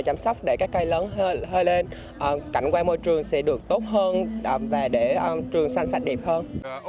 chăm sóc để các cây lớn hơi lên cảnh quan môi trường sẽ được tốt hơn và để trường xanh sạch đẹp hơn